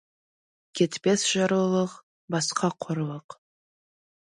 Кетпес жарлылық — басқа қорлық.